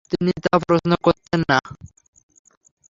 তিনি তা প্রশ্ন করতেন না ।